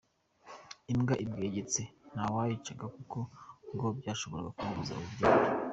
Imbwa ibwegetse nta wayicaga kuko ngo byashoboraga kumubuza urubyaro.